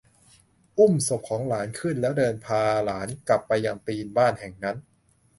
อุ้มศพของหลานขึ้นแล้วเดินพาหลานกลับไปยังตีนบ้านแห่งนั้น